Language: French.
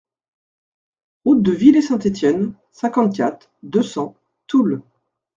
Route de Villey-Saint-Étienne, cinquante-quatre, deux cents Toul